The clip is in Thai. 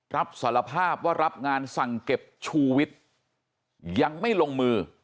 รับสารภาพว่ารับงานสั่งเก็บชูวิทย์ยังไม่ลงมือ